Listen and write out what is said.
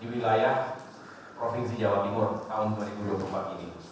di wilayah provinsi jawa timur tahun dua ribu dua puluh empat ini